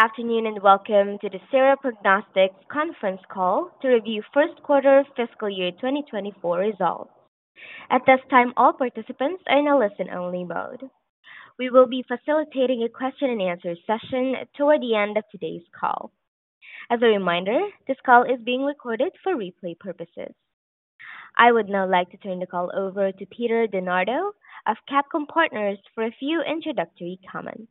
Good afternoon, and welcome to the Sera Prognostics Conference Call to review First Quarter Fiscal Year 2024 Results. At this time, all participants are in a listen-only mode. We will be facilitating a question-and-answer session toward the end of today's call. As a reminder, this call is being recorded for replay purposes. I would now like to turn the call over to Peter DeNardo of CapComm Partners for a few introductory comments.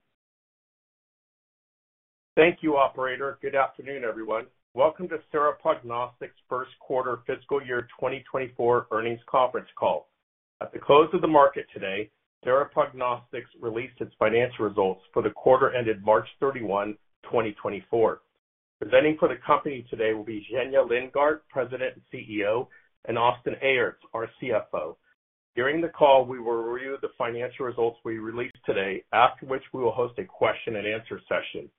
Thank you, Operator. Good afternoon, everyone. Welcome to Sera Prognostics First Quarter Fiscal Year 2024 Earnings Conference Call. At the close of the market today, Sera Prognostics released its financial results for the quarter ended March 31, 2024. Presenting for the company today will be Zhenya Lindgardt, President and CEO, and Austin Aerts, our CFO. During the call, we will review the financial results we released today, after which we will host a question-and-answer session.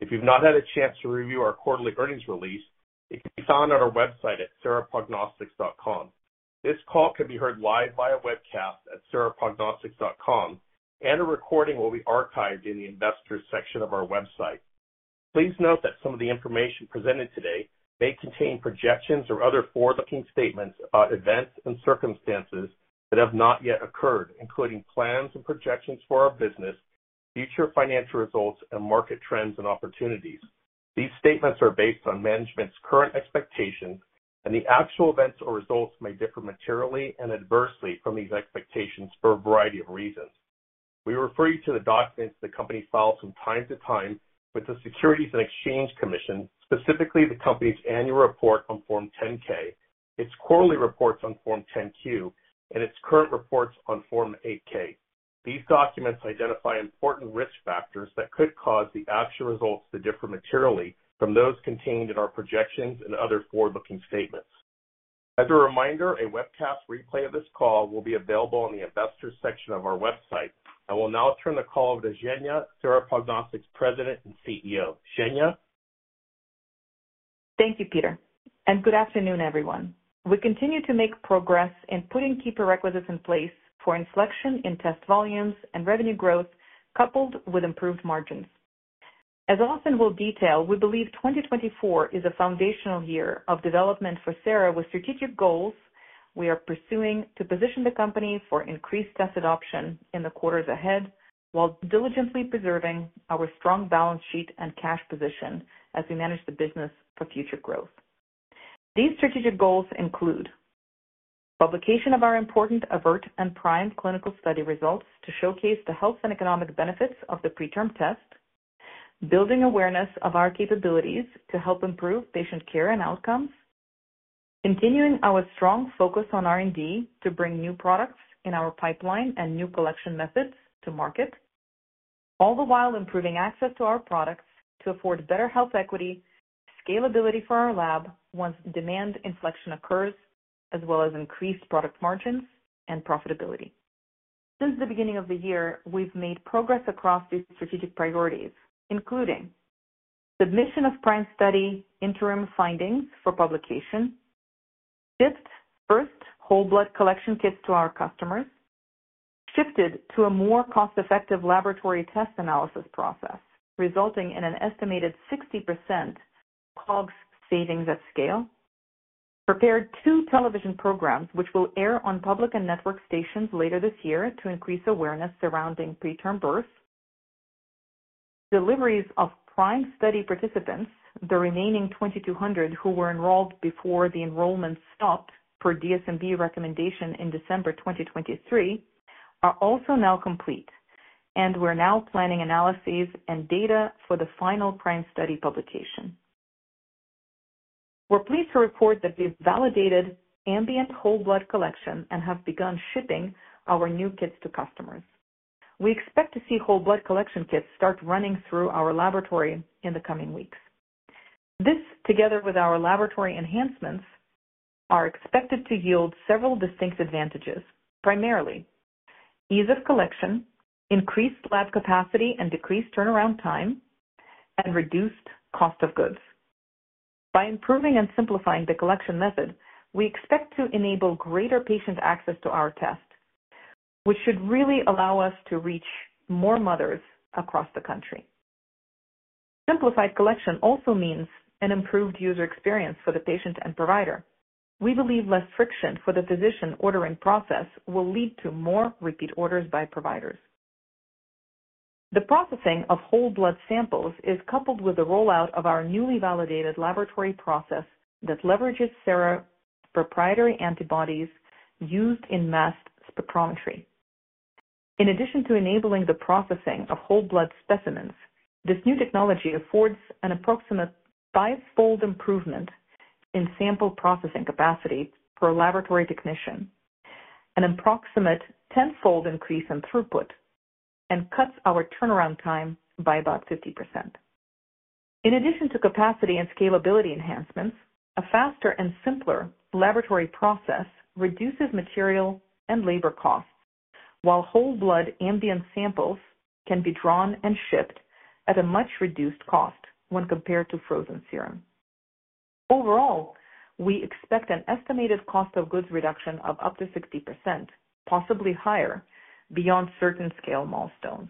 If you've not had a chance to review our quarterly earnings release, it can be found on our website at seraprognostics.com. This call can be heard live via webcast at seraprognostics.com, and a recording will be archived in the investors section of our website. Please note that some of the information presented today may contain projections or other forward-looking statements about events and circumstances that have not yet occurred, including plans and projections for our business, future financial results, and market trends and opportunities. These statements are based on management's current expectations, and the actual events or results may differ materially and adversely from these expectations for a variety of reasons. We refer you to the documents the company files from time-to-time with the Securities and Exchange Commission, specifically the company's annual report on Form 10-K, its quarterly reports on Form 10-Q, and its current reports on Form 8-K. These documents identify important risk factors that could cause the actual results to differ materially from those contained in our projections and other forward-looking statements. As a reminder, a webcast replay of this call will be available in the investors section of our website. I will now turn the call over to Zhenya, Sera Prognostics' President and CEO. Zhenya? Thank you, Peter, and good afternoon, everyone. We continue to make progress in putting key prerequisites in place for inflection in test volumes and revenue growth, coupled with improved margins. As Austin will detail, we believe 2024 is a foundational year of development for Sera with strategic goals we are pursuing to position the company for increased test adoption in the quarters ahead while diligently preserving our strong balance sheet and cash position as we manage the business for future growth. These strategic goals include publication of our important AVERT and PRIME clinical study results to showcase the health and economic benefits of the PreTRM test, building awareness of our capabilities to help improve patient care and outcomes, continuing our strong focus on R&D to bring new products in our pipeline and new collection methods to market, all the while improving access to our products to afford better health equity, scalability for our lab once demand inflection occurs, as well as increased product margins and profitability. Since the beginning of the year, we've made progress across these strategic priorities, including submission of PRIME study interim findings for publication, shipped first whole blood collection kits to our customers, shifted to a more cost-effective laboratory test analysis process resulting in an estimated 60% COGS savings at scale, prepared two television programs which will air on public and network stations later this year to increase awareness surrounding preterm birth, deliveries of PRIME study participants, the remaining 2,200 who were enrolled before the enrollment stopped per DSMB recommendation in December 2023, are also now complete, and we're now planning analyses and data for the final PRIME study publication. We're pleased to report that we've validated ambient whole blood collection and have begun shipping our new kits to customers. We expect to see whole blood collection kits start running through our laboratory in the coming weeks. This, together with our laboratory enhancements, are expected to yield several distinct advantages, primarily ease of collection, increased lab capacity and decreased turnaround time, and reduced cost of goods. By improving and simplifying the collection method, we expect to enable greater patient access to our test, which should really allow us to reach more mothers across the country. Simplified collection also means an improved user experience for the patient and provider. We believe less friction for the physician ordering process will lead to more repeat orders by providers. The processing of whole blood samples is coupled with the rollout of our newly validated laboratory process that leverages Sera proprietary antibodies used in mass spectrometry. In addition to enabling the processing of whole blood specimens, this new technology affords an approximate five-fold improvement in sample processing capacity per laboratory technician, an approximate 10-fold increase in throughput, and cuts our turnaround time by about 50%. In addition to capacity and scalability enhancements, a faster and simpler laboratory process reduces material and labor costs, while whole blood ambient samples can be drawn and shipped at a much reduced cost when compared to frozen serum. Overall, we expect an estimated cost of goods reduction of up to 60%, possibly higher, beyond certain scale milestones.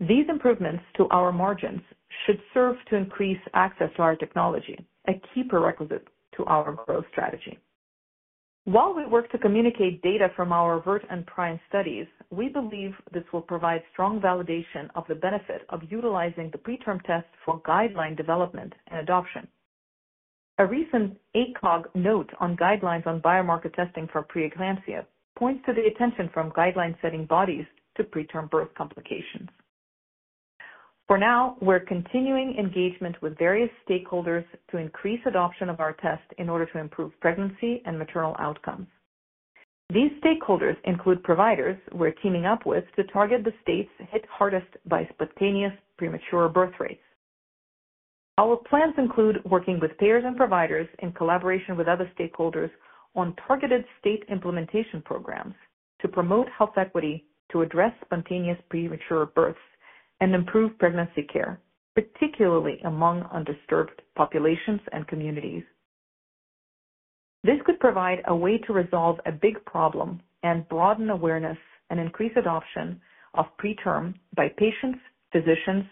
These improvements to our margins should serve to increase access to our technology, a key prerequisite to our growth strategy. While we work to communicate data from our AVERT and PRIME studies, we believe this will provide strong validation of the benefit of utilizing the PreTRM test for guideline development and adoption. A recent ACOG note on guidelines on biomarker testing for preeclampsia points to the attention from guideline-setting bodies to preterm birth complications. For now, we're continuing engagement with various stakeholders to increase adoption of our test in order to improve pregnancy and maternal outcomes. These stakeholders include providers we're teaming up with to target the states hit hardest by spontaneous premature birth rates. Our plans include working with payers and providers in collaboration with other stakeholders on targeted state implementation programs to promote health equity, to address spontaneous premature births, and improve pregnancy care, particularly among underserved populations and communities. This could provide a way to resolve a big problem and broaden awareness and increase adoption of PreTRM by patients, physicians,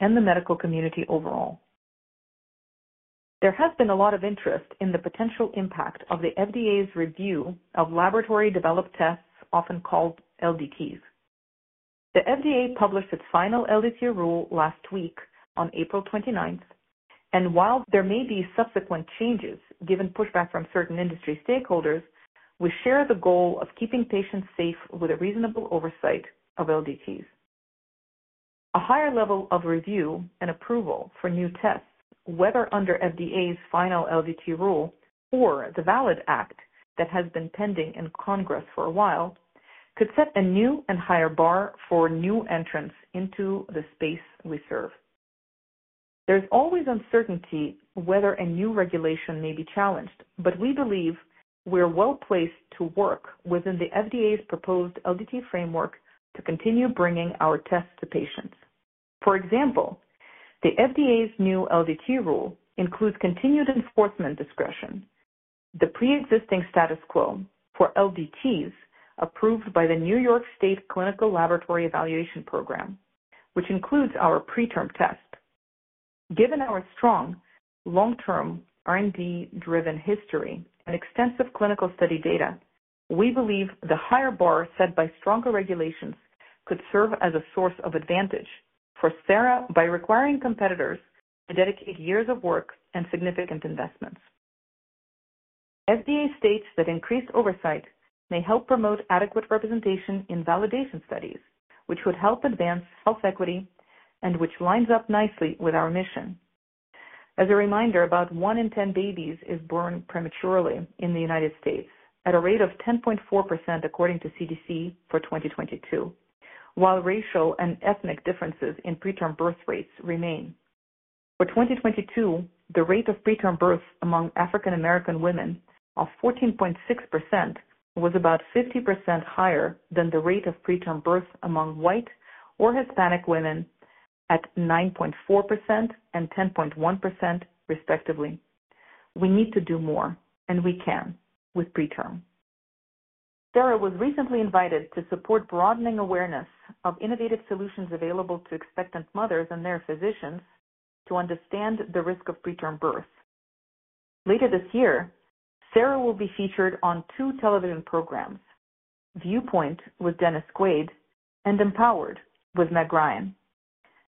and the medical community overall. There has been a lot of interest in the potential impact of the FDA's review of laboratory-developed tests, often called LDTs. The FDA published its final LDT rule last week on April 29th, and while there may be subsequent changes given pushback from certain industry stakeholders, we share the goal of keeping patients safe with a reasonable oversight of LDTs. A higher level of review and approval for new tests, whether under FDA's final LDT rule or the VALID Act that has been pending in Congress for a while, could set a new and higher bar for new entrants into the space we serve. There's always uncertainty whether a new regulation may be challenged, but we believe we're well placed to work within the FDA's proposed LDT framework to continue bringing our tests to patients. For example, the FDA's new LDT rule includes continued enforcement discretion, the preexisting status quo for LDTs approved by the New York State Clinical Laboratory Evaluation Program, which includes our PreTRM test. Given our strong long-term R&D-driven history and extensive clinical study data, we believe the higher bar set by stronger regulations could serve as a source of advantage for Sera by requiring competitors to dedicate years of work and significant investments. The FDA states that increased oversight may help promote adequate representation in validation studies, which would help advance health equity and which lines up nicely with our mission. As a reminder, about one in 10 babies is born prematurely in the United States at a rate of 10.4% according to CDC for 2022, while racial and ethnic differences in preterm birth rates remain. For 2022, the rate of preterm births among African-American women of 14.6% was about 50% higher than the rate of preterm births among White or Hispanic women at 9.4% and 10.1%, respectively. We need to do more, and we can with PreTRM. Sera was recently invited to support broadening awareness of innovative solutions available to expectant mothers and their physicians to understand the risk of preterm birth. Later this year, Sera will be featured on two television programs, Viewpoint with Dennis Quaid and Empowered with Meg Ryan.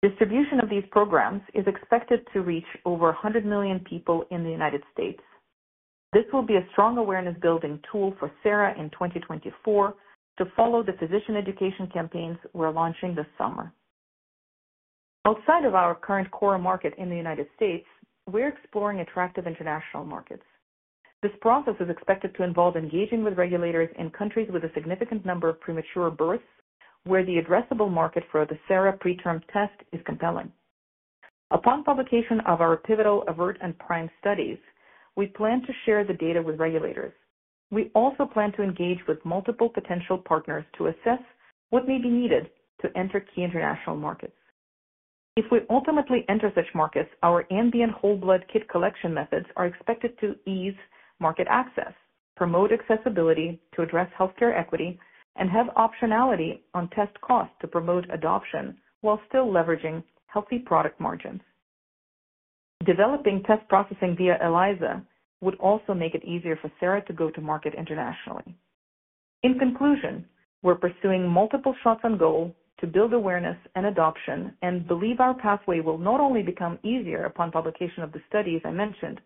Distribution of these programs is expected to reach over 100 million people in the U.S. This will be a strong awareness-building tool for Sera in 2024 to follow the physician education campaigns we're launching this summer. Outside of our current core market in the U.S., we're exploring attractive international markets. This process is expected to involve engaging with regulators in countries with a significant number of premature births where the addressable market for the Sera PreTRM test is compelling. Upon publication of our pivotal AVERT and PRIME studies, we plan to share the data with regulators. We also plan to engage with multiple potential partners to assess what may be needed to enter key international markets. If we ultimately enter such markets, our ambient whole blood kit collection methods are expected to ease market access, promote accessibility to address healthcare equity, and have optionality on test cost to promote adoption while still leveraging healthy product margins. Developing test processing via ELISA would also make it easier for Sera to go-to-market internationally. In conclusion, we're pursuing multiple shots on goal to build awareness and adoption and believe our pathway will not only become easier upon publication of the studies I mentioned,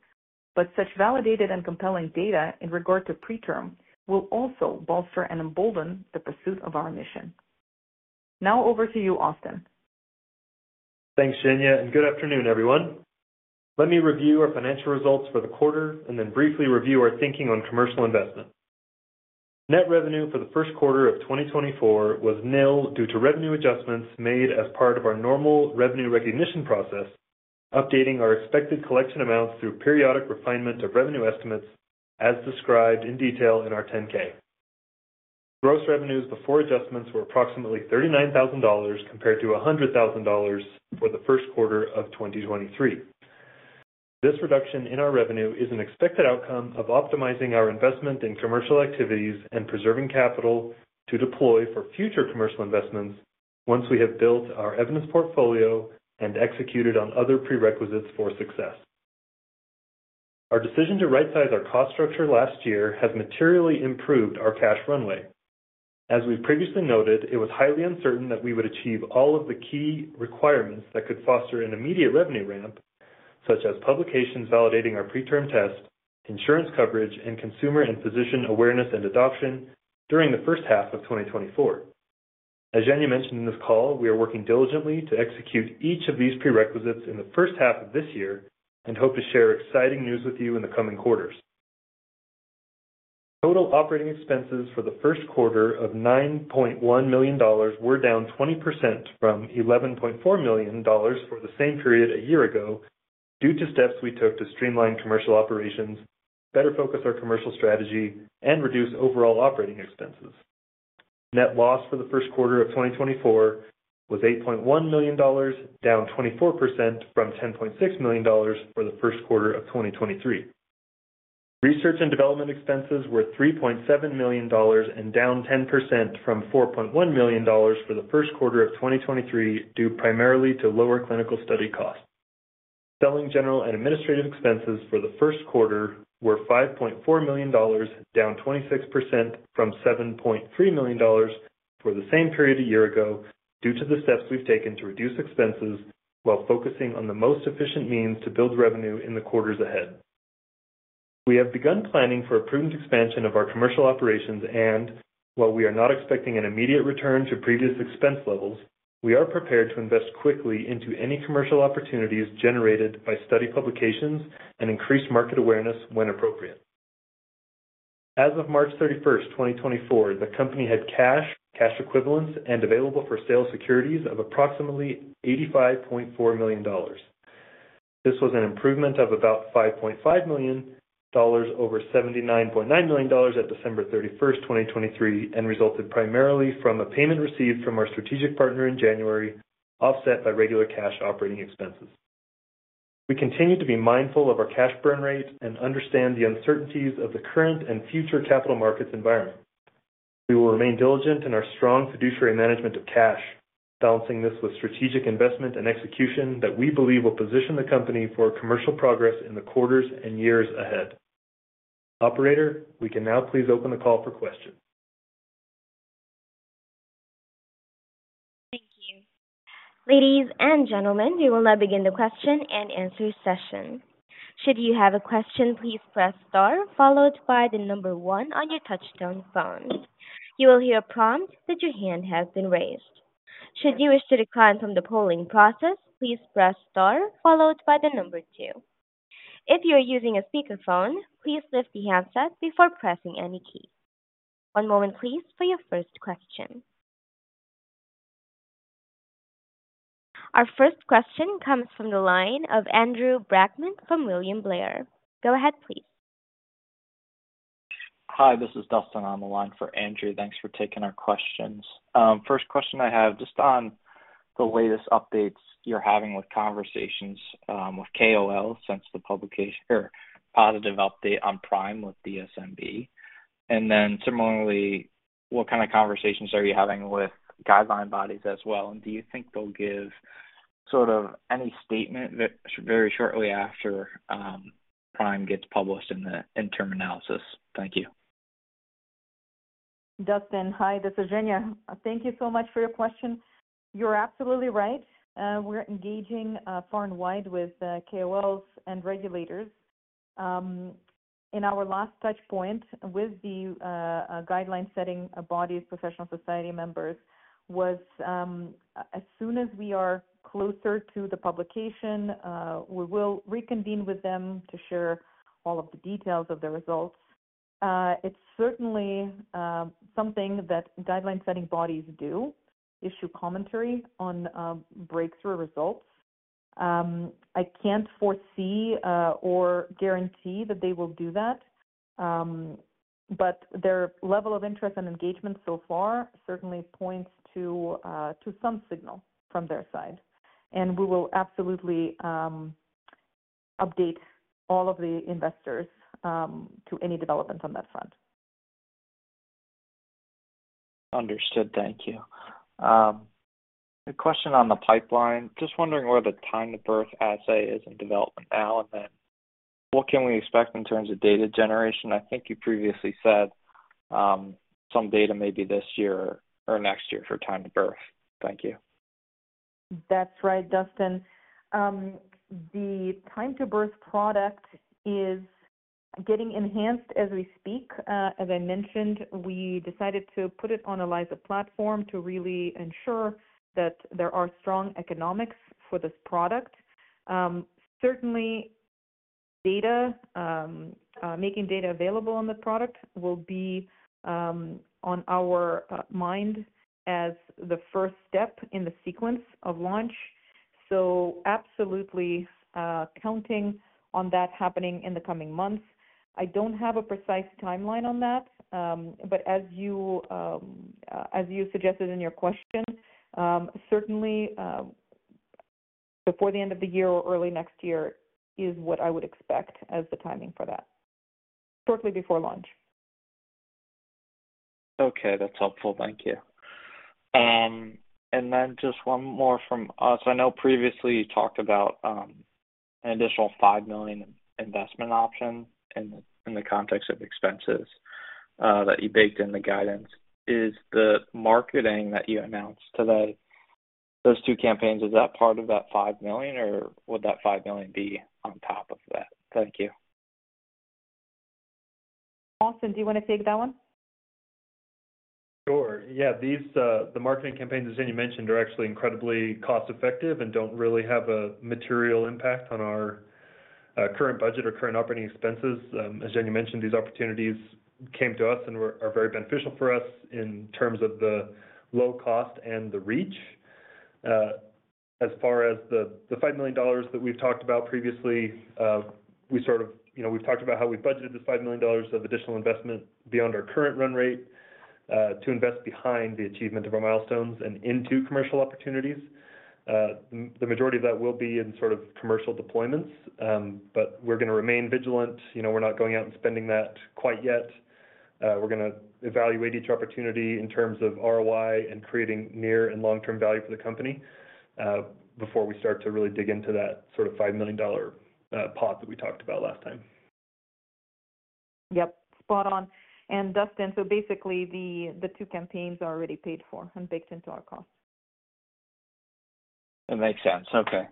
but such validated and compelling data in regard to PreTRM will also bolster and embolden the pursuit of our mission. Now over to you, Austin. Thanks, Zhenya, and good afternoon, everyone. Let me review our financial results for the quarter and then briefly review our thinking on commercial investment. Net revenue for the first quarter of 2024 was nil due to revenue adjustments made as part of our normal revenue recognition process, updating our expected collection amounts through periodic refinement of revenue estimates as described in detail in our 10-K. Gross revenues before adjustments were approximately $39,000 compared to $100,000 for the first quarter of 2023. This reduction in our revenue is an expected outcome of optimizing our investment in commercial activities and preserving capital to deploy for future commercial investments once we have built our evidence portfolio and executed on other prerequisites for success. Our decision to right-size our cost structure last year has materially improved our cash runway. As we've previously noted, it was highly uncertain that we would achieve all of the key requirements that could foster an immediate revenue ramp, such as publications validating our PreTRM test, insurance coverage, and consumer and physician awareness and adoption during the first half of 2024. As Zhenya mentioned in this call, we are working diligently to execute each of these prerequisites in the first half of this year and hope to share exciting news with you in the coming quarters. Total operating expenses for the first quarter of $9.1 million were down 20% from $11.4 million for the same period a year ago due to steps we took to streamline commercial operations, better focus our commercial strategy, and reduce overall operating expenses. Net loss for the first quarter of 2024 was $8.1 million, down 24% from $10.6 million for the first quarter of 2023. Research and development expenses were $3.7 million and down 10% from $4.1 million for the first quarter of 2023 due primarily to lower clinical study costs. Selling general and administrative expenses for the first quarter were $5.4 million, down 26% from $7.3 million for the same period a year ago due to the steps we've taken to reduce expenses while focusing on the most efficient means to build revenue in the quarters ahead. We have begun planning for a prudent expansion of our commercial operations, and while we are not expecting an immediate return to previous expense levels, we are prepared to invest quickly into any commercial opportunities generated by study publications and increased market awareness when appropriate. As of March 31st, 2024, the company had cash, cash equivalents, and available-for-sale securities of approximately $85.4 million. This was an improvement of about $5.5 million over $79.9 million at December 31st, 2023, and resulted primarily from a payment received from our strategic partner in January offset by regular cash operating expenses. We continue to be mindful of our cash burn rate and understand the uncertainties of the current and future capital markets environment. We will remain diligent in our strong fiduciary management of cash, balancing this with strategic investment and execution that we believe will position the company for commercial progress in the quarters and years ahead. Operator, we can now please open the call for questions. Thank you. Ladies and gentlemen, we will now begin the question-and-answer session. Should you have a question, please press star followed by the number one on your touch-tone phone. You will hear a prompt that your hand has been raised. Should you wish to decline from the polling process, please press star followed by the number two. If you're using a speakerphone, please lift the handset before pressing any key. One moment, please, for your first question. Our first question comes from the line of Andrew Brackmann from William Blair. Go ahead, please. Hi, this is Dustin on the line for Andrew. Thanks for taking our questions. First question I have just on the latest updates you're having with conversations with KOL since the publication or positive update on PRIME with DSMB. And then similarly, what kind of conversations are you having with guideline bodies as well? And do you think they'll give sort of any statement very shortly after PRIME gets published in interim analysis? Thank you. Dustin, hi. This is Zhenya. Thank you so much for your question. You're absolutely right. We're engaging far and wide with KOLs and regulators. In our last touchpoint with the guideline-setting bodies, professional society members, was as soon as we are closer to the publication, we will reconvene with them to share all of the details of the results. It's certainly something that guideline-setting bodies do, issue commentary on breakthrough results. I can't foresee or guarantee that they will do that, but their level of interest and engagement so far certainly points to some signal from their side. And we will absolutely update all of the investors to any developments on that front. Understood. Thank you. A question on the pipeline. Just wondering where the Time-to-Birth assay is in development now, and then what can we expect in terms of data generation? I think you previously said some data maybe this year or next year for Time-to-Birth. Thank you. That's right, Dustin. The Time-to-Birth product is getting enhanced as we speak. As I mentioned, we decided to put it on ELISA platform to really ensure that there are strong economics for this product. Certainly, making data available on the product will be on our mind as the first step in the sequence of launch. So absolutely counting on that happening in the coming months. I don't have a precise timeline on that, but as you suggested in your question, certainly before the end of the year or early next year is what I would expect as the timing for that, shortly before launch. Okay. That's helpful. Thank you. Then just one more from us. I know previously you talked about an additional $5 million investment option in the context of expenses that you baked in the guidance. Is the marketing that you announced today, those two campaigns, part of that $5 million, or would that $5 million be on top of that? Thank you. Austin, do you want to take that one? Sure. Yeah. The marketing campaigns, as Zhenya mentioned, are actually incredibly cost-effective and don't really have a material impact on our current budget or current operating expenses. As Zhenya mentioned, these opportunities came to us and are very beneficial for us in terms of the low cost and the reach. As far as the $5 million that we've talked about previously, we sort of talked about how we've budgeted this $5 million of additional investment beyond our current run rate to invest behind the achievement of our milestones and into commercial opportunities. The majority of that will be in sort of commercial deployments, but we're going to remain vigilant. We're not going out and spending that quite yet. We're going to evaluate each opportunity in terms of ROI and creating near and long-term value for the company before we start to really dig into that sort of $5 million pot that we talked about last time. Yep. Spot on. And Dustin, so basically, the two campaigns are already paid for and baked into our cost. That makes sense. Okay.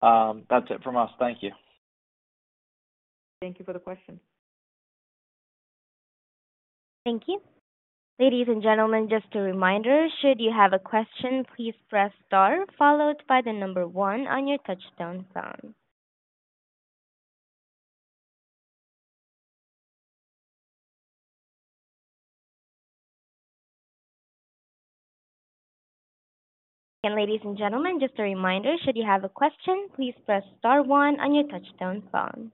That's it from us. Thank you. Thank you for the question. Thank you. Ladies, and gentlemen, just a reminder, should you have a question, please press star followed by the number one on your touch-tone phone. Ladies, and gentlemen, just a reminder, should you have a question, please press star one on your touch-tone phone.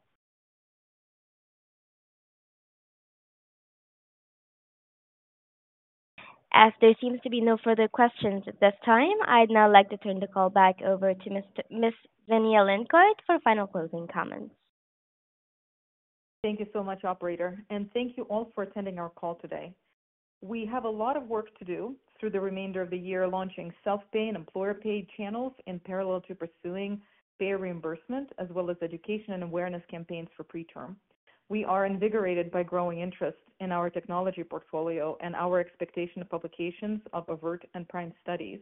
As there seems to be no further questions at this time, I'd now like to turn the call back over to Ms. Zhenya Lindgardt for final closing comments. Thank you so much, Operator, and thank you all for attending our call today. We have a lot of work to do through the remainder of the year launching self-pay and employer-paid channels in parallel to pursuing pay reimbursement as well as education and awareness campaigns for PreTRM. We are invigorated by growing interest in our technology portfolio and our expectation of publications of AVERT and PRIME studies.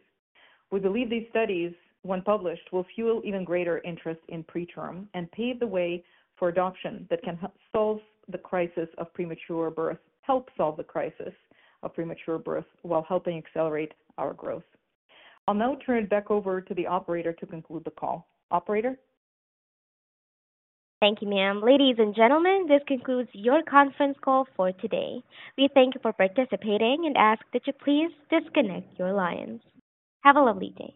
We believe these studies, when published, will fuel even greater interest in PreTRM and pave the way for adoption that can solve the crisis of premature birth, help solve the crisis of premature birth while helping accelerate our growth. I'll now turn it back over to the Operator to conclude the call. Operator? Thank you, ma'am. Ladies, and gentlemen, this concludes your conference call for today. We thank you for participating and ask that you please disconnect your lines. Have a lovely day.